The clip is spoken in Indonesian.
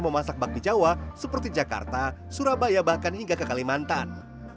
memasak bakmi jawa seperti jakarta surabaya bahkan hingga ke kalimantan